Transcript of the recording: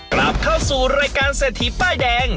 กลับเข้าสู่รายการเศรษฐีป้ายแดง